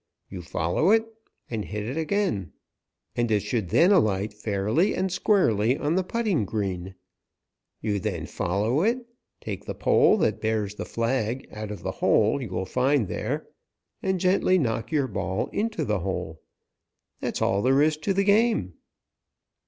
You follow it, and hit it again, and it should then alight fairly and squarely on the putting green. You then follow it, take the pole that bears the flag out of the hole you will find there, and gently knock your ball into the hole. That is all there is to the game."